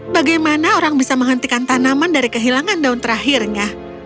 bagaimana orang bisa menghentikan tanaman dari kehilangan daun terakhirnya